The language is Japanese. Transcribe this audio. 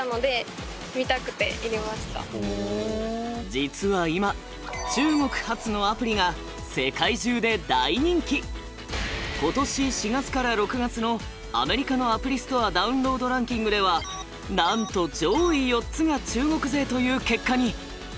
実は今今年４月から６月のアメリカのアプリストアダウンロードランキングではなんと上位４つが中国勢という結果に。